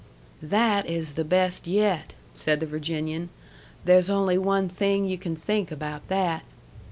"That is the best yet," said the Virginian. "There's only one thing yu' can think about that."